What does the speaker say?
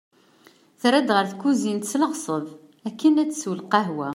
Terra-d ɣer tkuzint s leɣseb akken ad tessu lqahwa.